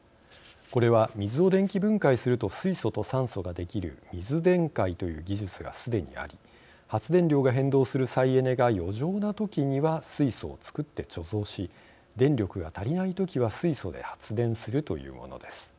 これは水を電気分解すると水素と酸素ができる水電解という技術がすでにあり発電量が変動する再エネが余剰な時には水素を作って貯蔵し電力が足りない時は水素で発電するというものです。